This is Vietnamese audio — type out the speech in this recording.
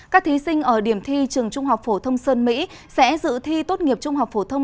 các thí sinh ở điểm thi trường trung học phổ thông sơn mỹ sẽ dự thi tốt nghiệp trung học phổ thông